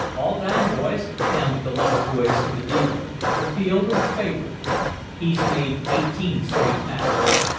"All down, boys," sounded the level voice of the dealer. "The field or the favorite. He's made eighteen straight passes.